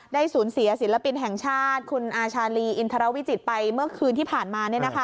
สูญเสียศิลปินแห่งชาติคุณอาชาลีอินทรวิจิตรไปเมื่อคืนที่ผ่านมา